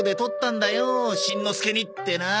しんのすけにってな。